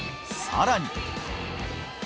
さらに。